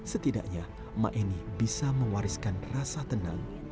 setidaknya ma eni bisa mewariskan rasa tenang